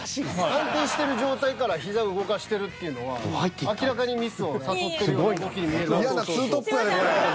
安定してる状態から膝を動かしてるっていうのは明らかにミスを誘ってるような動きに見える。